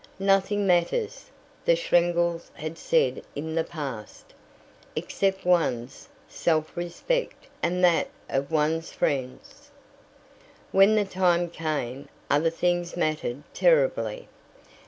"Nothing matters," the Schlegels had said in the past, "except one's self respect and that of one's friends." When the time came, other things mattered terribly.